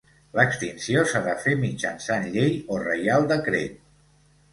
L'extinció s'ha de fer mitjançant llei o Reial Decret.